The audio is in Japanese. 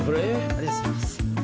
ありがとうございます。